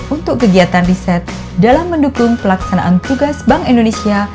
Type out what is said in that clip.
untuk kegiatan riset dalam mendukung pelaksanaan tugas bank indonesia